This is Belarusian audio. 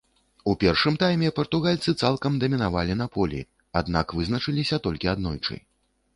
У першым тайме партугальцы цалкам дамінавалі на полі, аднак вызначыліся толькі аднойчы.